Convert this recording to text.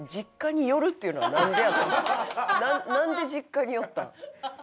なんで実家に寄ったん？